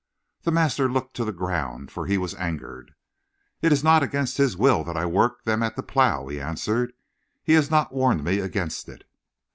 The master looked to the ground, for he was angered. "It is not against His will that I work them at the plow," he answered. "He has not warned me against it."